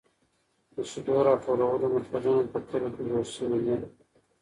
د شیدو راټولولو مرکزونه په کلیو کې جوړ شوي دي.